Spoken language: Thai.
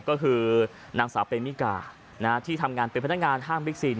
ก็คือนางสาวเปมิกาที่ทำงานเป็นพนักงานห้างบิ๊กซีน